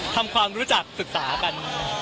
ทำความรู้จักศึกษากัน